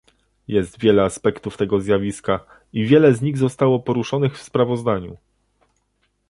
Jest wiele aspektów tego zjawiska, i wiele z nich zostało poruszonych w sprawozdaniu